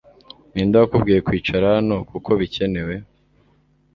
Ninde wakubwiye kwicara hano kuko bikenewe